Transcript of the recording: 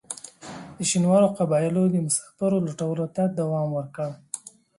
د شینوارو قبایلو د مسافرو لوټلو ته دوام ورکړ.